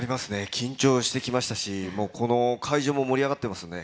緊張してきましたし会場も盛り上がってきましたよね。